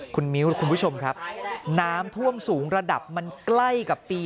คุณมิ้วคุณผู้ชมครับน้ำท่วมสูงระดับมันใกล้กับปี